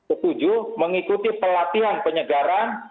ketujuh mengikuti pelatihan penyegaran